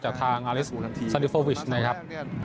จากทางอลิสซาลิฟอลวิคนะครับ